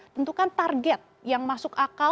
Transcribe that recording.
tentukan target yang masuk akal